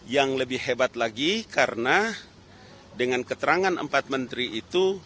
yang lebih hebat lagi karena dengan keterangan empat menteri itu